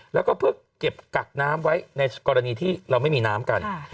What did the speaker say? แล้วก็เพื่อเก็บกักน้ำไว้ในกรณีที่เราไม่มีน้ำกัน